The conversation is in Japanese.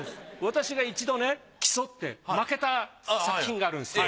私が一度ね競って負けた作品があるんですよ。